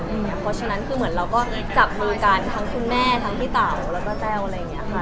เพราะฉะนั้นคือเหมือนเราก็จับมือกันทั้งคุณแม่ทั้งพี่เต๋าแล้วก็เจ้า